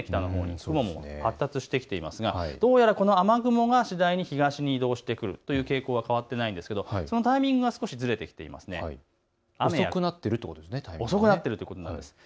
雲も発達してきていますが、この雨雲が次第に東に移動してくるという傾向が変わってないんですがそのタイミングが少しずれてきて、遅くなっているということです。